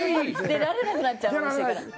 出られなくなっちゃうお店から。